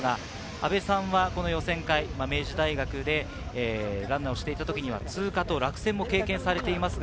阿部さんは予選会、明治大学でランナーをしていたときに通過と落選を経験されています。